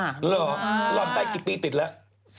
หรอหลอนไปกี่ปีติดแล้ว